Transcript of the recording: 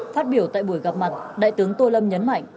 phát biểu tại buổi gặp mặt đại tướng tô lâm nhấn mạnh